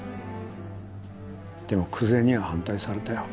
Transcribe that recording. でも久瀬には反対されたよ。